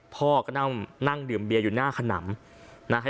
พ่อก็นั่งดื่มเบียร์อยู่หน้าขนำนะฮะ